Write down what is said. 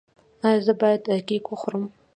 ایا زه باید کیک وخورم؟